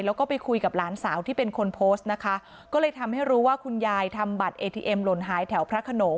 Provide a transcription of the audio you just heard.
แล้วก็ไปคุยกับหลานสาวที่เป็นคนโพสต์นะคะก็เลยทำให้รู้ว่าคุณยายทำบัตรเอทีเอ็มหล่นหายแถวพระขนง